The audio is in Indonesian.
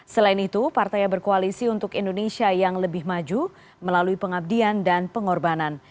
selain itu partai berkoalisi untuk indonesia yang lebih maju melalui pengabdian dan pengorbanan